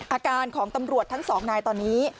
อาการของตำรวจทั้งสองนายตอนนี้